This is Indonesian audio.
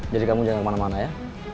jadi kamu jangan kemana mana ya